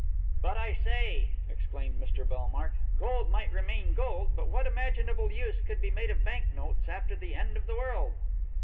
"But, I say!" exclaimed Mr Bellmark. "Gold might remain gold, but what imaginable use could be made of bank notes after the end of the world?"